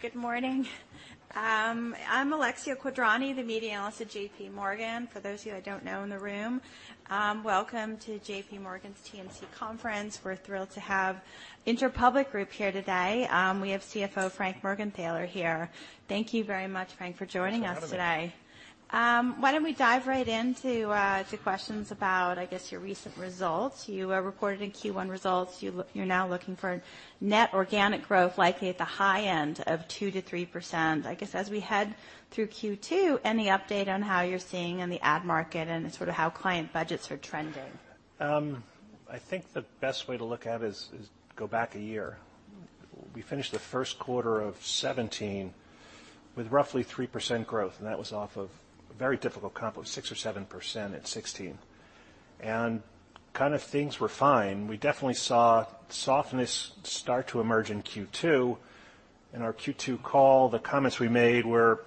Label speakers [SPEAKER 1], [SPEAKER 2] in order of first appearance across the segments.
[SPEAKER 1] Good morning. I'm Alexia Quadrani, the Media Analyst at JPMorgan. For those of you I don't know in the room, welcome to JPMorgan's TMC Conference. We're thrilled to have the Interpublic Group here today. We have CFO Frank Mergenthaler here. Thank you very much, Frank, for joining us today.
[SPEAKER 2] Not at all.
[SPEAKER 1] Why don't we dive right into questions about, I guess, your recent results? You reported in Q1 results you're now looking for net organic growth likely at the high end of 2%-3%. I guess as we head through Q2, any update on how you're seeing in the ad market and sort of how client budgets are trending?
[SPEAKER 2] I think the best way to look at it is go back a year. We finished the first quarter of 2017 with roughly 3% growth, and that was off of a very difficult comp, 6% or 7% at 2016. And kind of things were fine. We definitely saw softness start to emerge in Q2. In our Q2 call, the comments we made were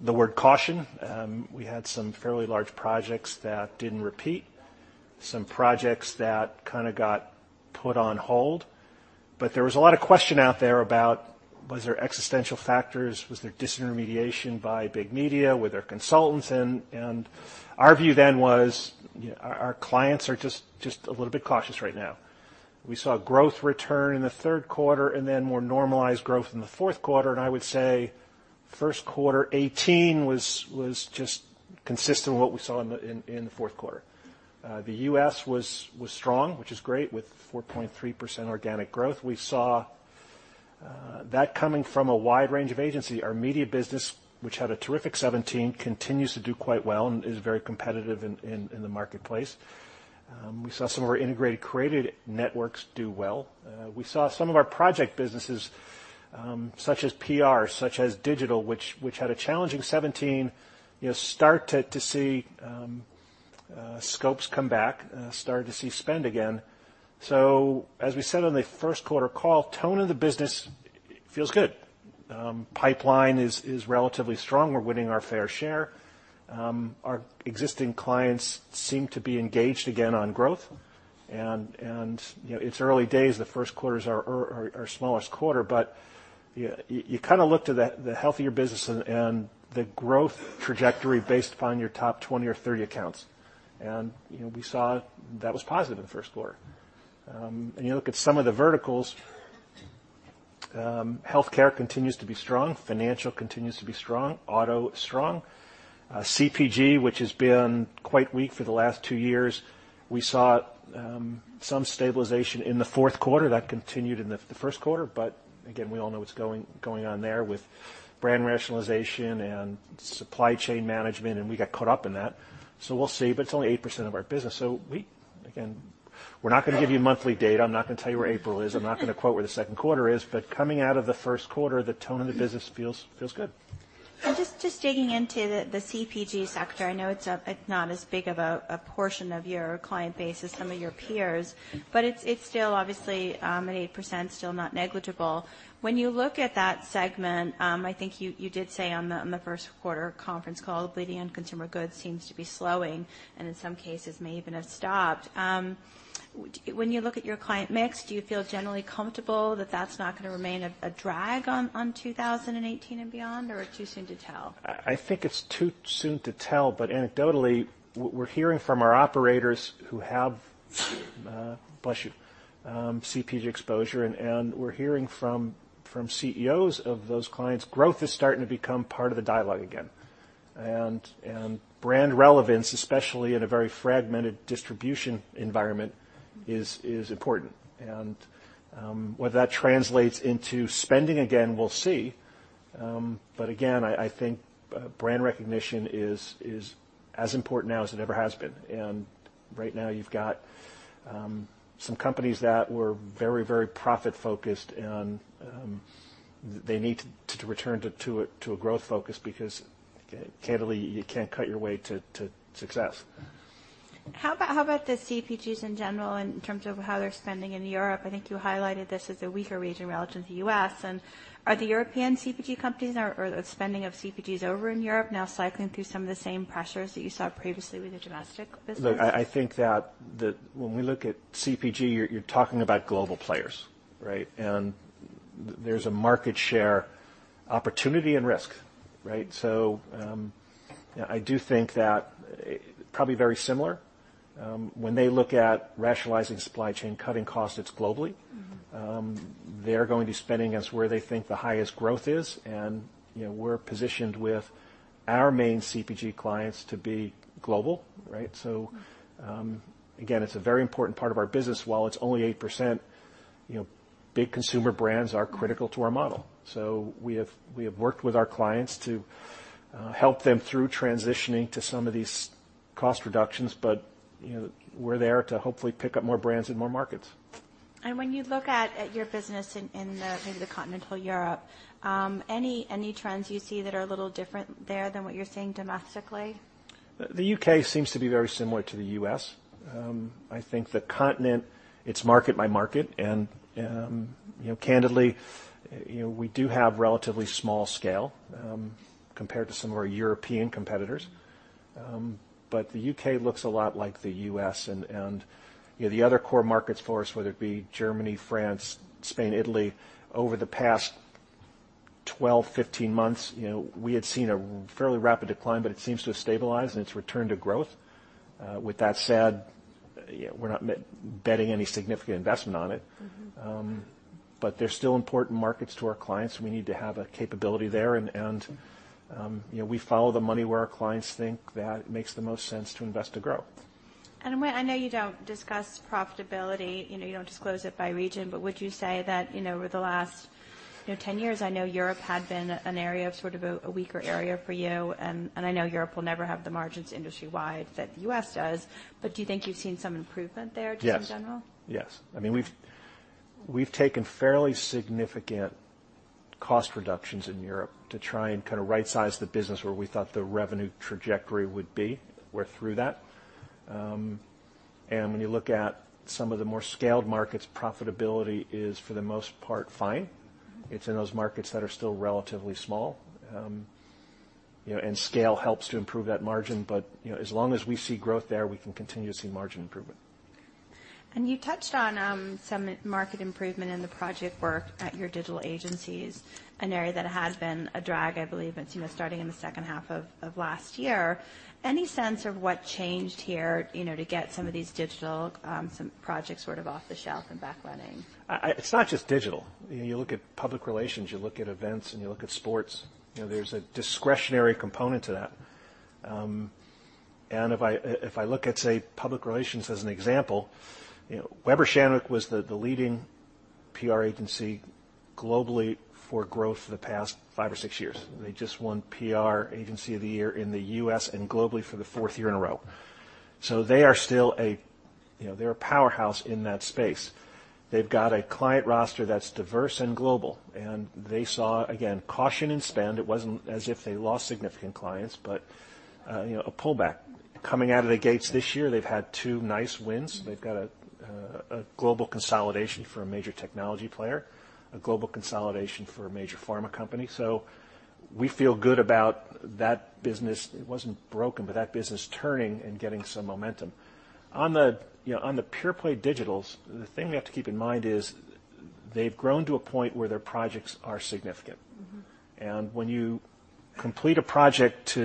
[SPEAKER 2] the word "caution." We had some fairly large projects that didn't repeat, some projects that kind of got put on hold. But there was a lot of question out there about, were there existential factors? Was there disintermediation by big media? Were there consultants? And our view then was, our clients are just a little bit cautious right now. We saw growth return in the third quarter and then more normalized growth in the fourth quarter. I would say first quarter 2018 was just consistent with what we saw in the fourth quarter. The U.S. was strong, which is great, with 4.3% organic growth. We saw that coming from a wide range of agencies. Our media business, which had a terrific 2017, continues to do quite well and is very competitive in the marketplace. We saw some of our integrated creative networks do well. We saw some of our project businesses, such as PR, such as digital, which had a challenging 2017, start to see scopes come back, start to see spend again. As we said on the first quarter call, the tone of the business feels good. Pipeline is relatively strong. We're winning our fair share. Our existing clients seem to be engaged again on growth. It's early days. The first quarter is our smallest quarter. You kind of look to the healthier business and the growth trajectory based upon your top 20 or 30 accounts. We saw that was positive in the first quarter. You look at some of the verticals, healthcare continues to be strong, financial continues to be strong, auto is strong. CPG, which has been quite weak for the last two years, we saw some stabilization in the fourth quarter that continued in the first quarter. Again, we all know what's going on there with brand rationalization and supply chain management, and we got caught up in that. We'll see. It's only 8% of our business. We, again, we're not going to give you monthly data. I'm not going to tell you where April is. I'm not going to quote where the second quarter is. But coming out of the first quarter, the tone of the business feels good.
[SPEAKER 1] Just digging into the CPG sector, I know it's not as big of a portion of your client base as some of your peers, but it's still obviously at 8%, still not negligible. When you look at that segment, I think you did say on the first quarter conference call, bleeding in consumer goods seems to be slowing and in some cases may even have stopped. When you look at your client mix, do you feel generally comfortable that that's not going to remain a drag on 2018 and beyond, or too soon to tell?
[SPEAKER 2] I think it's too soon to tell. But anecdotally, we're hearing from our operators who have, bless you, CPG exposure, and we're hearing from CEOs of those clients, growth is starting to become part of the dialogue again, and brand relevance, especially in a very fragmented distribution environment, is important, and whether that translates into spending again, we'll see. But again, I think brand recognition is as important now as it ever has been, and right now you've got some companies that were very, very profit-focused, and they need to return to a growth focus because candidly, you can't cut your way to success.
[SPEAKER 1] How about the CPGs in general in terms of how they're spending in Europe? I think you highlighted this as a weaker region relative to the U.S., and are the European CPG companies or the spending of CPGs over in Europe now cycling through some of the same pressures that you saw previously with the domestic business?
[SPEAKER 2] Look, I think that when we look at CPG, you're talking about global players, right? And there's a market share opportunity and risk, right? So I do think that probably very similar. When they look at rationalizing supply chain, cutting costs globally, they're going to be spending where they think the highest growth is. And we're positioned with our main CPG clients to be global, right? So again, it's a very important part of our business. While it's only 8%, big consumer brands are critical to our model. So we have worked with our clients to help them through transitioning to some of these cost reductions, but we're there to hopefully pick up more brands in more markets.
[SPEAKER 1] When you look at your business in maybe continental Europe, any trends you see that are a little different there than what you're seeing domestically?
[SPEAKER 2] The U.K. seems to be very similar to the U.S. I think the continent, it's market by market. And candidly, we do have relatively small scale compared to some of our European competitors. But the U.K. looks a lot like the U.S. And the other core markets for us, whether it be Germany, France, Spain, Italy, over the past 12-15 months, we had seen a fairly rapid decline, but it seems to have stabilized and it's returned to growth. With that said, we're not betting any significant investment on it. But they're still important markets to our clients. We need to have a capability there. And we follow the money where our clients think that it makes the most sense to invest to grow.
[SPEAKER 1] And I know you don't discuss profitability. You don't disclose it by region. But would you say that over the last 10 years, I know Europe had been an area of sort of a weaker area for you. And I know Europe will never have the margins industry-wide that the U.S. does. But do you think you've seen some improvement there just in general?
[SPEAKER 2] Yes. Yes. I mean, we've taken fairly significant cost reductions in Europe to try and kind of right-size the business where we thought the revenue trajectory would be. We're through that, and when you look at some of the more scaled markets, profitability is for the most part fine. It's in those markets that are still relatively small, and scale helps to improve that margin, but as long as we see growth there, we can continue to see margin improvement.
[SPEAKER 1] You touched on some market improvement in the project work at your digital agencies, an area that had been a drag, I believe, starting in the second half of last year. Any sense of what changed here to get some of these digital projects sort of off the shelf and back running?
[SPEAKER 2] It's not just digital. You look at public relations, you look at events, and you look at sports. There's a discretionary component to that. And if I look at, say, public relations as an example, Weber Shandwick was the leading PR agency globally for growth the past five or six years. They just won PR Agency of the Year in the U.S. and globally for the fourth year in a row. So they are still a powerhouse in that space. They've got a client roster that's diverse and global. And they saw, again, caution in spend. It wasn't as if they lost significant clients, but a pullback. Coming out of the gates this year, they've had two nice wins. They've got a global consolidation for a major technology player, a global consolidation for a major pharma company. So we feel good about that business. It wasn't broken, but that business turning and getting some momentum. On the pure play digitals, the thing we have to keep in mind is they've grown to a point where their projects are significant, and when you complete a project,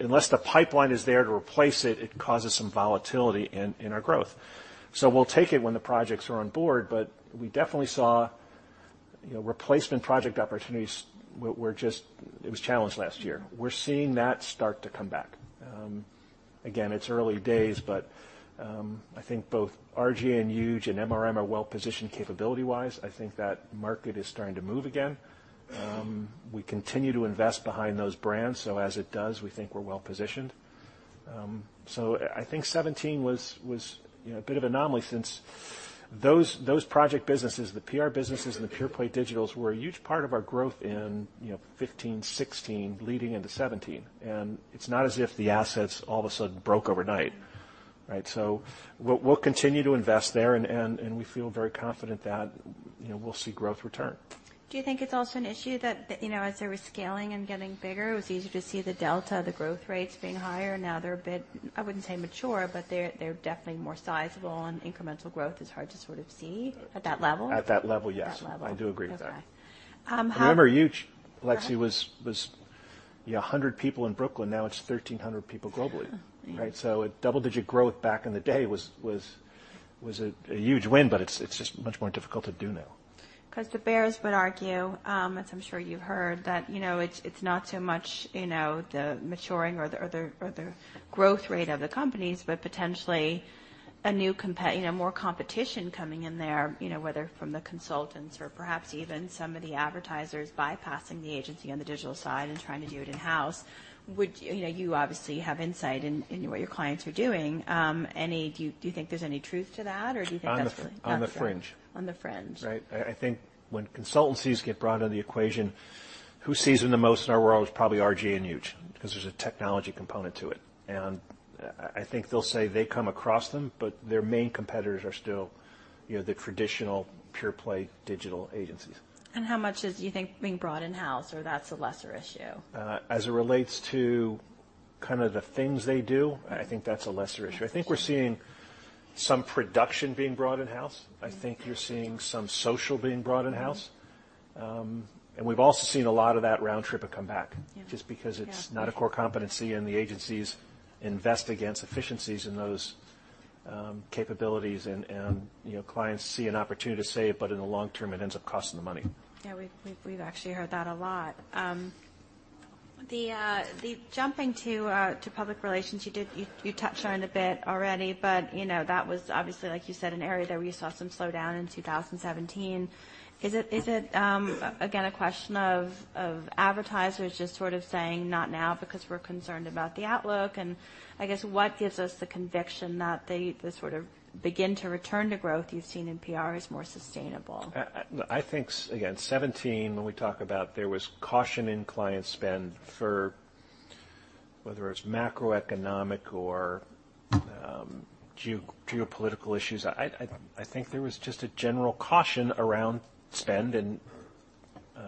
[SPEAKER 2] unless the pipeline is there to replace it, it causes some volatility in our growth, so we'll take it when the projects are on board, but we definitely saw replacement project opportunities. It was challenged last year. We're seeing that start to come back. Again, it's early days, but I think both R/GA and Huge and MRM are well positioned capability-wise. I think that market is starting to move again. We continue to invest behind those brands, so as it does, we think we're well positioned. So I think 2017 was a bit of an anomaly since those project businesses, the PR businesses and the pure play digitals, were a huge part of our growth in 2015, 2016, leading into 2017. And it's not as if the assets all of a sudden broke overnight, right? So we'll continue to invest there. And we feel very confident that we'll see growth return.
[SPEAKER 1] Do you think it's also an issue that as they were scaling and getting bigger, it was easier to see the delta, the growth rates being higher? Now they're a bit, I wouldn't say mature, but they're definitely more sizable, and incremental growth is hard to sort of see at that level?
[SPEAKER 2] At that level, yes. I do agree with that.
[SPEAKER 1] Okay.
[SPEAKER 2] Remember, Huge, Lexi, was 100 people in Brooklyn. Now it's 1,300 people globally, right? So a double-digit growth back in the day was a huge win, but it's just much more difficult to do now.
[SPEAKER 1] Because the bears would argue, as I'm sure you've heard, that it's not so much the maturing or the growth rate of the companies, but potentially a new competition, more competition coming in there, whether from the consultants or perhaps even some of the advertisers bypassing the agency on the digital side and trying to do it in-house. You obviously have insight into what your clients are doing. Do you think there's any truth to that, or do you think that's?
[SPEAKER 2] On the fringe.
[SPEAKER 1] On the fringe.
[SPEAKER 2] Right. I think when consultancies get brought into the equation, who sees them the most in our world is probably RG and Huge because there's a technology component to it. And I think they'll say they come across them, but their main competitors are still the traditional pure play digital agencies.
[SPEAKER 1] How much is, do you think, being brought in-house, or that's a lesser issue?
[SPEAKER 2] As it relates to kind of the things they do, I think that's a lesser issue. I think we're seeing some production being brought in-house. I think you're seeing some social being brought in-house, and we've also seen a lot of that round trip and come back just because it's not a core competency and the agencies invest against efficiencies in those capabilities, and clients see an opportunity to save it, but in the long term, it ends up costing them money.
[SPEAKER 1] Yeah. We've actually heard that a lot. Jumping to public relations, you touched on it a bit already, but that was obviously, like you said, an area where you saw some slowdown in 2017. Is it, again, a question of advertisers just sort of saying, "Not now because we're concerned about the outlook"? And I guess what gives us the conviction that the sort of begin to return to growth you've seen in PR is more sustainable?
[SPEAKER 2] I think, again, 2017, when we talk about there was caution in client spend, for whether it's macroeconomic or geopolitical issues, I think there was just a general caution around spend and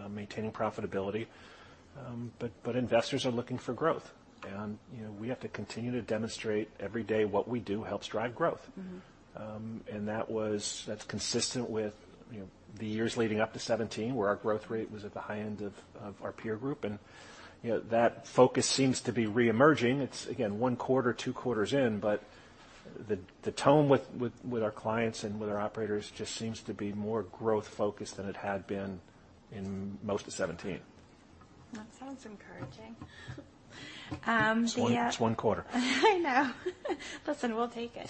[SPEAKER 2] maintaining profitability, but investors are looking for growth, and we have to continue to demonstrate every day what we do helps drive growth, and that's consistent with the years leading up to 2017 where our growth rate was at the high end of our peer group, and that focus seems to be re-emerging. It's, again, one quarter, two quarters in, but the tone with our clients and with our operators just seems to be more growth-focused than it had been in most of 2017.
[SPEAKER 1] That sounds encouraging.
[SPEAKER 2] It's one quarter.
[SPEAKER 1] I know. Listen, we'll take it.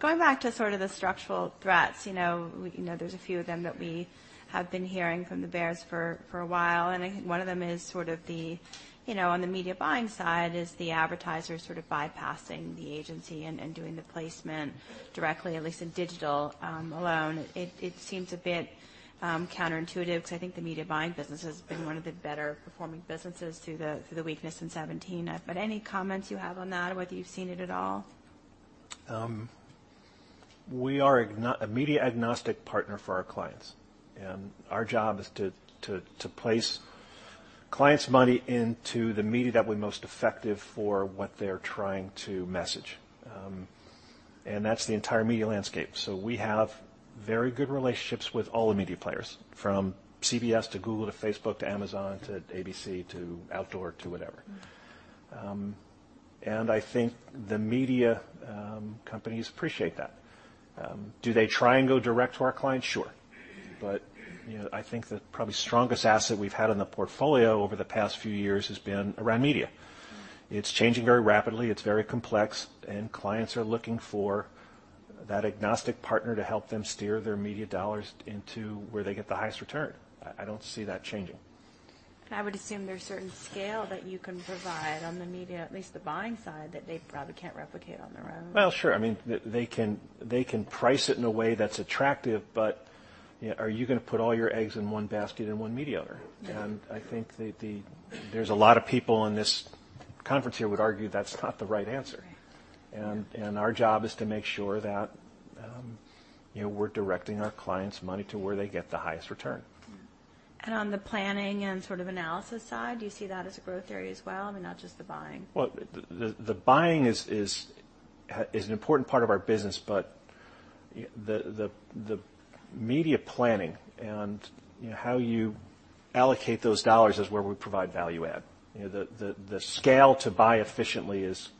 [SPEAKER 1] Going back to sort of the structural threats, there's a few of them that we have been hearing from the bears for a while. And I think one of them is sort of on the media buying side is the advertisers sort of bypassing the agency and doing the placement directly, at least in digital alone. It seems a bit counterintuitive because I think the media buying business has been one of the better-performing businesses through the weakness in 2017. But any comments you have on that or whether you've seen it at all?
[SPEAKER 2] We are a media-agnostic partner for our clients. And our job is to place clients' money into the media that will be most effective for what they're trying to message. And that's the entire media landscape. So we have very good relationships with all the media players from CBS to Google to Facebook to Amazon to ABC to outdoor to whatever. And I think the media companies appreciate that. Do they try and go direct to our clients? Sure. But I think the probably strongest asset we've had in the portfolio over the past few years has been around media. It's changing very rapidly. It's very complex. And clients are looking for that agnostic partner to help them steer their media dollars into where they get the highest return. I don't see that changing.
[SPEAKER 1] I would assume there's certain scale that you can provide on the media, at least the buying side, that they probably can't replicate on their own.
[SPEAKER 2] Sure. I mean, they can price it in a way that's attractive, but are you going to put all your eggs in one basket in one media owner? I think there's a lot of people in this conference here would argue that's not the right answer. Our job is to make sure that we're directing our clients' money to where they get the highest return.
[SPEAKER 1] And on the planning and sort of analysis side, do you see that as a growth area as well? I mean, not just the buying.
[SPEAKER 2] The buying is an important part of our business, but the media planning and how you allocate those dollars is where we provide value-add. The scale to buy efficiently is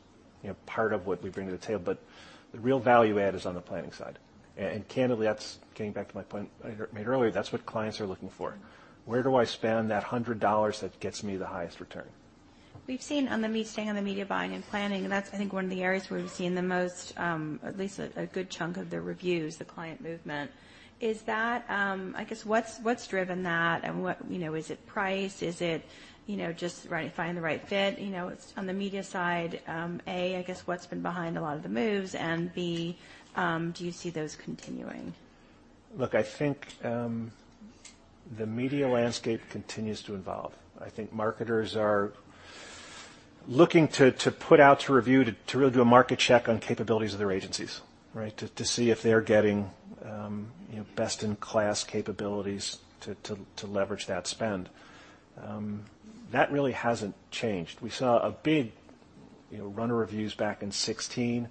[SPEAKER 2] part of what we bring to the table. But the real value-add is on the planning side. Candidly, that's getting back to my point made earlier. That's what clients are looking for. Where do I spend that $100 that gets me the highest return?
[SPEAKER 1] We've seen the most staying on the media buying and planning, and that's, I think, one of the areas where we've seen the most, at least a good chunk of the reviews, the client movement. Is that, I guess, what's driven that? And is it price? Is it just finding the right fit? On the media side, A, I guess, what's been behind a lot of the moves? And B, do you see those continuing?
[SPEAKER 2] Look, I think the media landscape continues to evolve. I think marketers are looking to put out to review, to really do a market check on capabilities of their agencies, right, to see if they're getting best-in-class capabilities to leverage that spend. That really hasn't changed. We saw a big run of reviews back in 2016,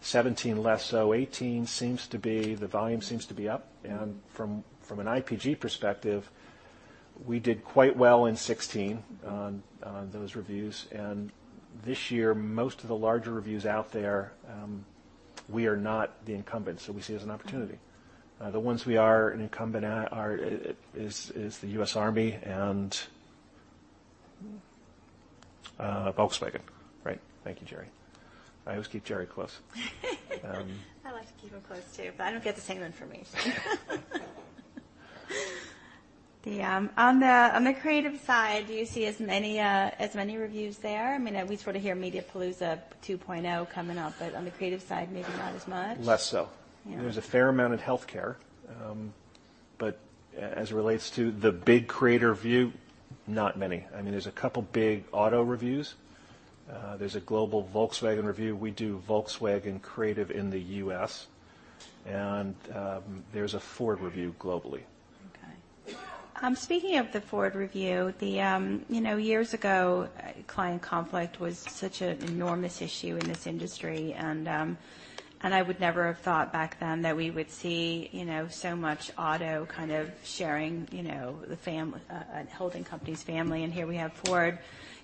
[SPEAKER 2] 2017 less so. 2018, the volume seems to be up, and from an IPG perspective, we did quite well in 2016 on those reviews, and this year, most of the larger reviews out there, we are not the incumbent. So we see it as an opportunity. The ones we are an incumbent at is the U.S. Army and Volkswagen, right? Thank you, Jerry. I always keep Jerry close.
[SPEAKER 1] I like to keep him close too, but I don't get the same information. On the creative side, do you see as many reviews there? I mean, we sort of hear MediaPalooza 2.0 coming up, but on the creative side, maybe not as much.
[SPEAKER 2] Less so. There's a fair amount in healthcare. But as it relates to the big creative review, not many. I mean, there's a couple of big auto reviews. There's a global Volkswagen review. We do Volkswagen creative in the U.S., and there's a Ford review globally.
[SPEAKER 1] Okay. Speaking of the Ford review, years ago, client conflict was such an enormous issue in this industry, and I would never have thought back then that we would see so much auto kind of sharing the holding company's family, and here we have Ford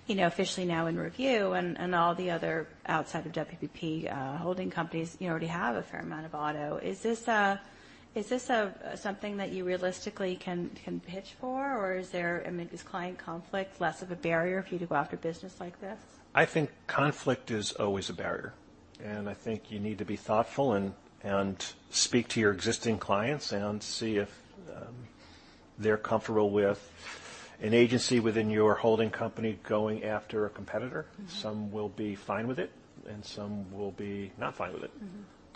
[SPEAKER 1] officially now in review and all the other outside of WPP holding companies already have a fair amount of auto. Is this something that you realistically can pitch for, or is there this client conflict less of a barrier for you to go after business like this?
[SPEAKER 2] I think conflict is always a barrier. And I think you need to be thoughtful and speak to your existing clients and see if they're comfortable with an agency within your holding company going after a competitor. Some will be fine with it, and some will be not fine with it,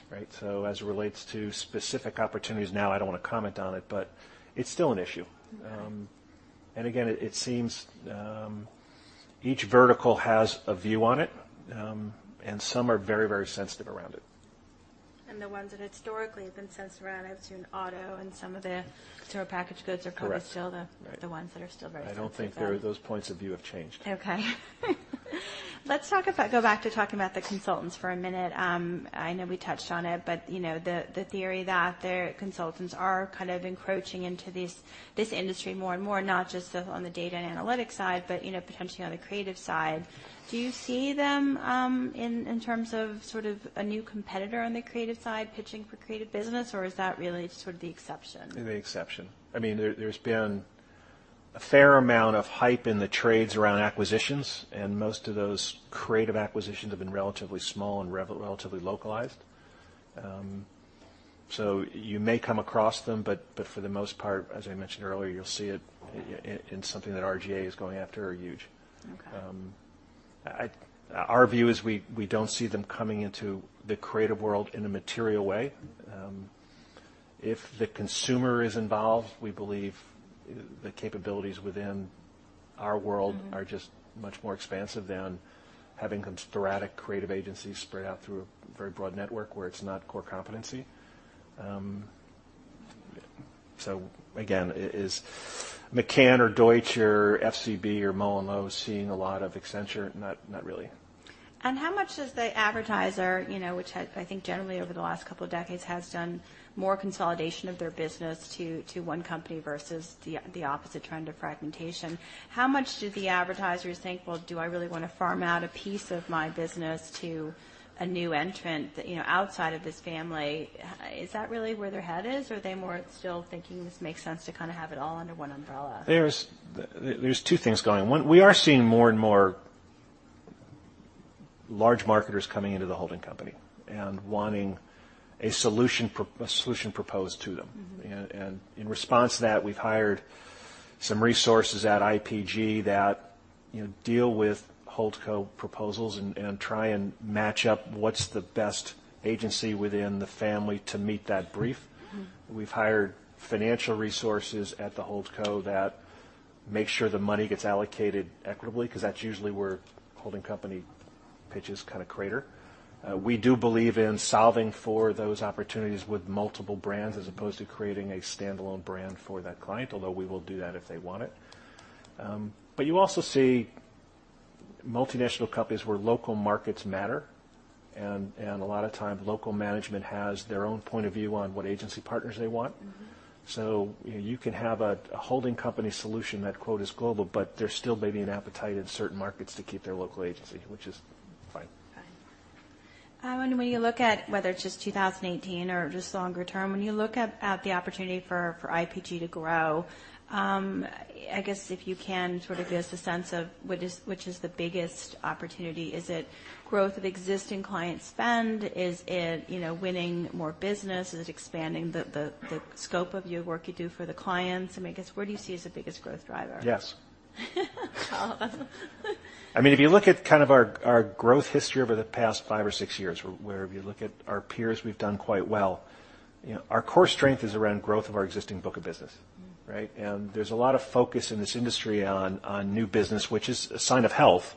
[SPEAKER 2] right? So as it relates to specific opportunities now, I don't want to comment on it, but it's still an issue. And again, it seems each vertical has a view on it, and some are very, very sensitive around it.
[SPEAKER 1] The ones that historically have been sensitive around, I've seen auto and some of the packaged goods are probably still the ones that are very sensitive.
[SPEAKER 2] I don't think those points of view have changed.
[SPEAKER 1] Okay. Let's go back to talking about the consultants for a minute. I know we touched on it, but the theory that their consultants are kind of encroaching into this industry more and more, not just on the data and analytics side, but potentially on the creative side. Do you see them in terms of sort of a new competitor on the creative side pitching for creative business, or is that really sort of the exception?
[SPEAKER 2] The exception. I mean, there's been a fair amount of hype in the trades around acquisitions, and most of those creative acquisitions have been relatively small and relatively localized. So you may come across them, but for the most part, as I mentioned earlier, you'll see it in something that R/GA is going after or Huge. Our view is we don't see them coming into the creative world in a material way. If the consumer is involved, we believe the capabilities within our world are just much more expansive than having some sporadic creative agencies spread out through a very broad network where it's not core competency. So again, is McCann or Deutsch or FCB or MullenLowe seeing a lot of Accenture? Not really.
[SPEAKER 1] How much does the advertiser, which I think generally over the last couple of decades has done more consolidation of their business to one company versus the opposite trend of fragmentation? How much do the advertisers think, "Well, do I really want to farm out a piece of my business to a new entrant outside of this family?" Is that really where their head is, or are they more still thinking this makes sense to kind of have it all under one umbrella?
[SPEAKER 2] There's two things going on. We are seeing more and more large marketers coming into the holding company and wanting a solution proposed to them. And in response to that, we've hired some resources at IPG that deal with Holdco proposals and try and match up what's the best agency within the family to meet that brief. We've hired financial resources at the Holdco that make sure the money gets allocated equitably because that's usually where holding company pitches kind of crater. We do believe in solving for those opportunities with multiple brands as opposed to creating a standalone brand for that client, although we will do that if they want it. But you also see multinational companies where local markets matter. And a lot of times, local management has their own point of view on what agency partners they want. So you can have a holding company solution that, "is global," but there's still maybe an appetite in certain markets to keep their local agency, which is fine.
[SPEAKER 1] Fine. And when you look at whether it's just 2018 or just longer term, when you look at the opportunity for IPG to grow, I guess if you can sort of give us a sense of which is the biggest opportunity, is it growth of existing client spend? Is it winning more business? Is it expanding the scope of your work you do for the clients? I mean, I guess, where do you see as the biggest growth driver?
[SPEAKER 2] Yes. I mean, if you look at kind of our growth history over the past five or six years, where if you look at our peers, we've done quite well. Our core strength is around growth of our existing book of business, right? And there's a lot of focus in this industry on new business, which is a sign of health.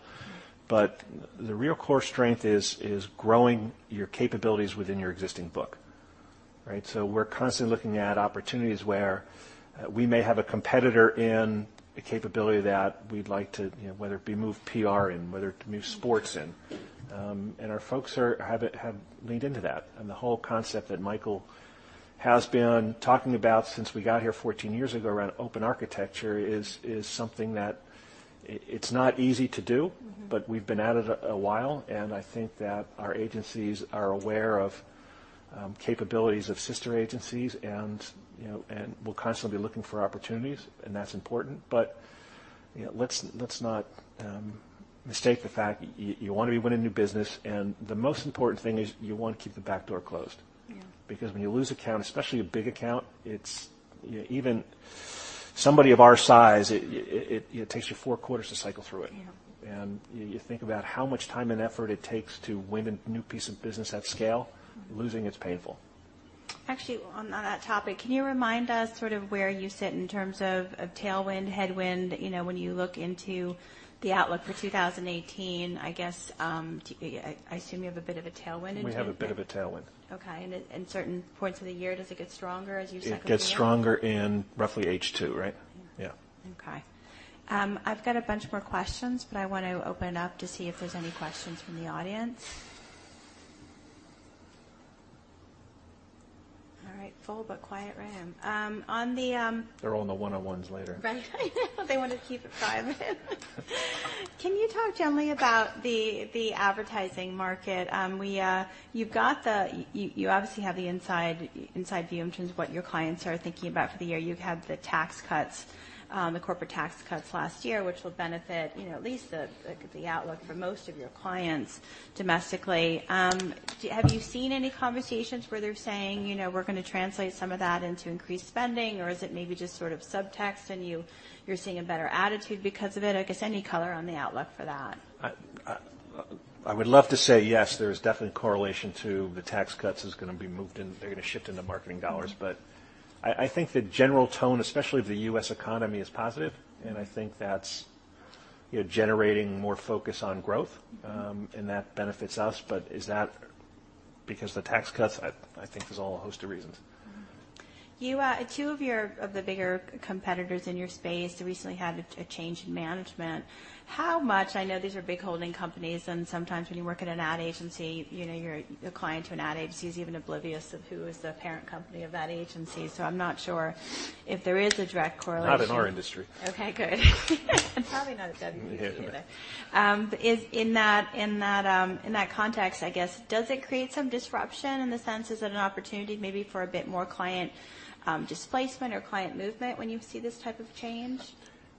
[SPEAKER 2] But the real core strength is growing your capabilities within your existing book, right? So we're constantly looking at opportunities where we may have a competitor in a capability that we'd like to, whether it be move PR in, whether it be move sports in. And our folks have leaned into that. And the whole concept that Michael has been talking about since we got here 14 years ago around open architecture is something that it's not easy to do, but we've been at it a while. And I think that our agencies are aware of capabilities of sister agencies and will constantly be looking for opportunities. And that's important. But let's not mistake the fact you want to be winning new business. And the most important thing is you want to keep the back door closed. Because when you lose account, especially a big account, even somebody of our size, it takes you four quarters to cycle through it. And you think about how much time and effort it takes to win a new piece of business at scale. Losing, it's painful.
[SPEAKER 1] Actually, on that topic, can you remind us sort of where you sit in terms of tailwind, headwind when you look into the outlook for 2018? I guess I assume you have a bit of a tailwind in 2018.
[SPEAKER 2] We have a bit of a tailwind.
[SPEAKER 1] Okay, and in certain points of the year, does it get stronger as you cycle through?
[SPEAKER 2] It gets stronger in roughly H2, right? Yeah.
[SPEAKER 1] Okay. I've got a bunch more questions, but I want to open it up to see if there's any questions from the audience. All right. Full but quiet room. On the.
[SPEAKER 2] They're all in the one-on-ones later.
[SPEAKER 1] Right. They want to keep it private. Can you talk generally about the advertising market? You obviously have the inside view in terms of what your clients are thinking about for the year. You've had the tax cuts, the corporate tax cuts last year, which will benefit at least the outlook for most of your clients domestically. Have you seen any conversations where they're saying, "We're going to translate some of that into increased spending," or is it maybe just sort of subtext and you're seeing a better attitude because of it? I guess any color on the outlook for that.
[SPEAKER 2] I would love to say yes. There is definitely a correlation to the tax cuts is going to be moved in. They're going to shift into marketing dollars, but I think the general tone, especially of the U.S. economy, is positive, and I think that's generating more focus on growth, and that benefits us, but is that because of the tax cuts? I think there's a whole host of reasons.
[SPEAKER 1] Two of the bigger competitors in your space recently had a change in management. How much? I know these are big holding companies, and sometimes when you work at an ad agency, your client to an ad agency is even oblivious of who is the parent company of that agency. So I'm not sure if there is a direct correlation.
[SPEAKER 2] Not in our industry.
[SPEAKER 1] Okay. Good. Probably not at WPP. But in that context, I guess, does it create some disruption in the sense? Is it an opportunity maybe for a bit more client displacement or client movement when you see this type of change?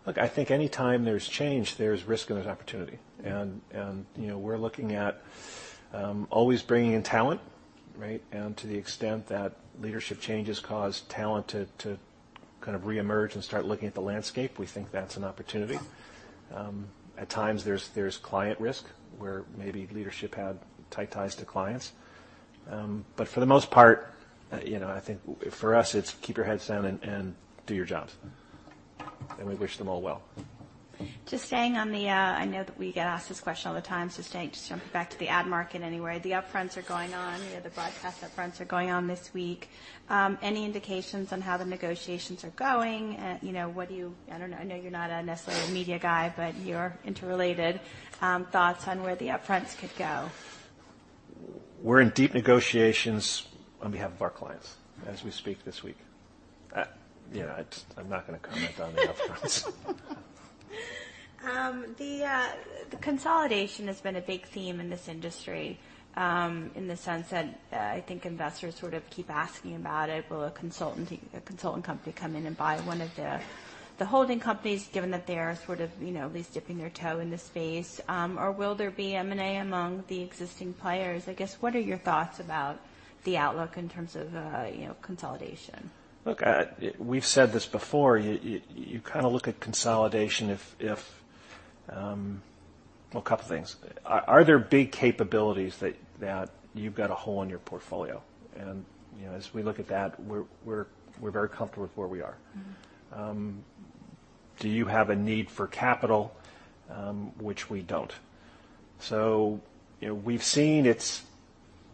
[SPEAKER 2] Look, I think anytime there's change, there's risk and there's opportunity. We're looking at always bringing in talent, right? To the extent that leadership changes cause talent to kind of reemerge and start looking at the landscape, we think that's an opportunity. At times, there's client risk where maybe leadership had tight ties to clients. For the most part, I think for us, it's keep your heads down and do your jobs. We wish them all well.
[SPEAKER 1] Just staying on the... I know that we get asked this question all the time, so just jumping back to the ad market anyway. The upfronts are going on. The broadcast upfronts are going on this week. Any indications on how the negotiations are going? What do you... I don't know. I know you're not necessarily a media guy, but your interrelated thoughts on where the upfronts could go.
[SPEAKER 2] We're in deep negotiations on behalf of our clients as we speak this week. I'm not going to comment on the upfronts.
[SPEAKER 1] The consolidation has been a big theme in this industry in the sense that I think investors sort of keep asking about it. Will a consultant company come in and buy one of the holding companies given that they are sort of at least dipping their toe in this space? Or will there be M&A among the existing players? I guess, what are your thoughts about the outlook in terms of consolidation?
[SPEAKER 2] Look, we've said this before. You kind of look at consolidation. Well, a couple of things. Are there big capabilities that you've got a hole in your portfolio? And as we look at that, we're very comfortable with where we are. Do you have a need for capital, which we don't? So we've seen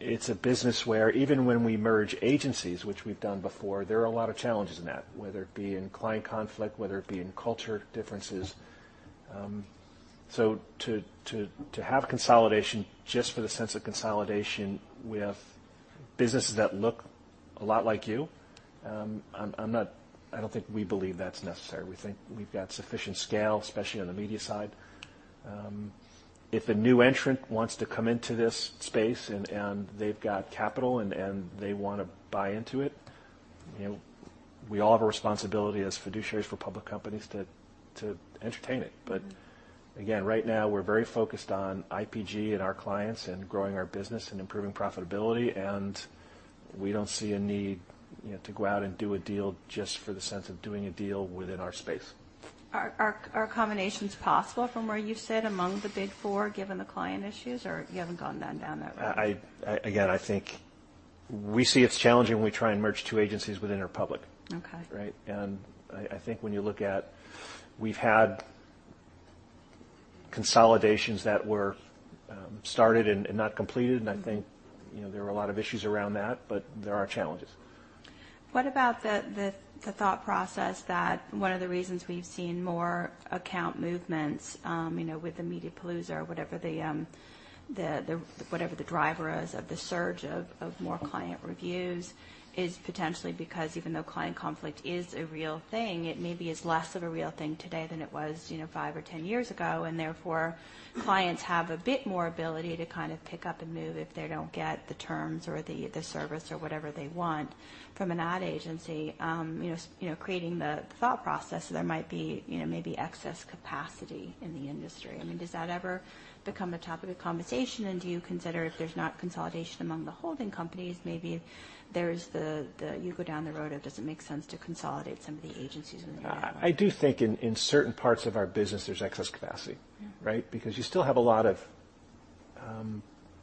[SPEAKER 2] it's a business where even when we merge agencies, which we've done before, there are a lot of challenges in that, whether it be in client conflict, whether it be in culture differences. So to have consolidation just for the sense of consolidation with businesses that look a lot like you, I don't think we believe that's necessary. We think we've got sufficient scale, especially on the media side. If a new entrant wants to come into this space and they've got capital and they want to buy into it, we all have a responsibility as fiduciaries for public companies to entertain it. But again, right now, we're very focused on IPG and our clients and growing our business and improving profitability. And we don't see a need to go out and do a deal just for the sense of doing a deal within our space.
[SPEAKER 1] Are combinations possible from where you sit among the big four given the client issues, or you haven't gone down that road?
[SPEAKER 2] Again, I think we see it's challenging when we try and merge two agencies within IPG, right, and I think when you look at, we've had consolidations that were started and not completed, and I think there were a lot of issues around that, but there are challenges.
[SPEAKER 1] What about the thought process that one of the reasons we've seen more account movements with the MediaPalooza or whatever the driver is of the surge of more client reviews is potentially because even though client conflict is a real thing, it maybe is less of a real thing today than it was five or ten years ago. Therefore, clients have a bit more ability to kind of pick up and move if they don't get the terms or the service or whatever they want from an ad agency. Creating the thought process, there might be excess capacity in the industry. I mean, does that ever become a topic of conversation? Do you consider if there's not consolidation among the holding companies, maybe there's the you go down the road of does it make sense to consolidate some of the agencies?
[SPEAKER 2] I do think in certain parts of our business, there's excess capacity, right? Because you still have a lot of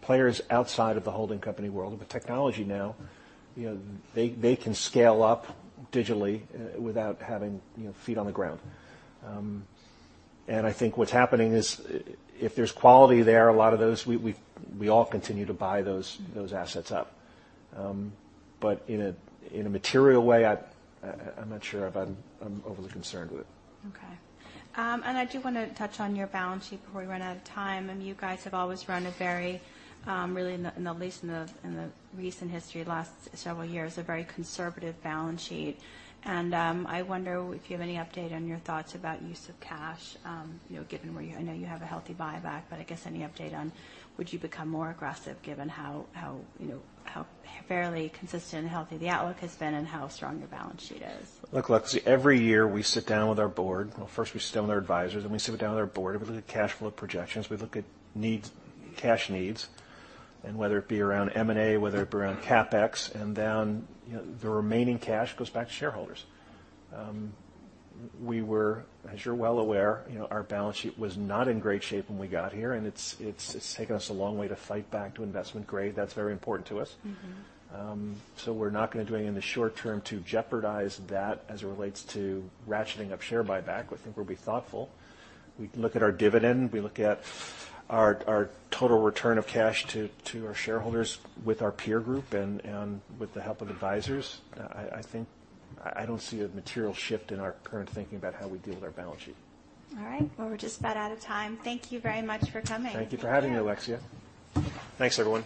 [SPEAKER 2] players outside of the holding company world of the technology now. They can scale up digitally without having feet on the ground. And I think what's happening is if there's quality there, a lot of those we all continue to buy those assets up. But in a material way, I'm not sure if I'm overly concerned with it.
[SPEAKER 1] Okay, and I do want to touch on your balance sheet before we run out of time, and you guys have always run a very, really conservative balance sheet, at least in the recent history, last several years. I wonder if you have any update on your thoughts about use of cash, given where you, I know you have a healthy buyback, but I guess any update on, would you become more aggressive given how fairly consistent and healthy the outlook has been and how strong your balance sheet is?
[SPEAKER 2] Look, Alexia, every year we sit down with our board. First we sit down with our advisors, and we sit down with our board. We look at cash flow projections. We look at cash needs and whether it be around M&A, whether it be around CapEx, and then the remaining cash goes back to shareholders. We were, as you're well aware, our balance sheet was not in great shape when we got here, and it's taken us a long way to fight back to investment grade. That's very important to us, so we're not going to do anything in the short term to jeopardize that as it relates to ratcheting up share buyback. I think we'll be thoughtful. We look at our dividend. We look at our total return of cash to our shareholders with our peer group and with the help of advisors. I don't see a material shift in our current thinking about how we deal with our balance sheet.
[SPEAKER 1] All right. Well, we're just about out of time. Thank you very much for coming.
[SPEAKER 2] Thank you for having me, Alexia. Thanks, everyone.